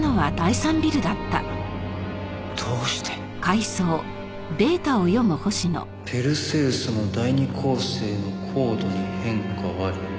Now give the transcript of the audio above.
どうしてペルセウスの第二恒星の光度に変化あり。